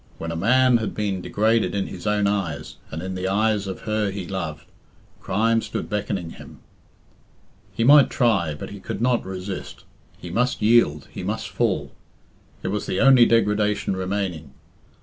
When a man had been degraded in his own eyes, and in the eyes of her he loved, crime stood beckoning him. He might try, but he could not resist; he must yield, he must fall. It was the only degradation remaining.